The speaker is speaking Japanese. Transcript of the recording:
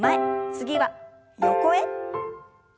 次は横へ。